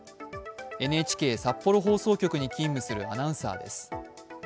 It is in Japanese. ＮＨＫ札幌放送局に勤務するアナウンサーです。